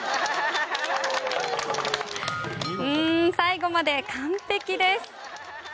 最後まで完璧です。